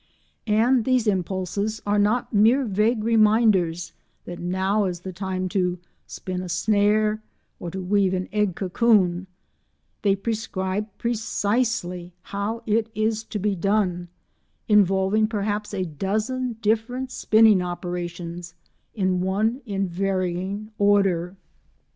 And these impulses are not mere vague reminders that now is the time to spin a snare, or to weave an egg cocoon; they prescribe precisely how it is to be done, involving perhaps a dozen different spinning operations in one unvarying order.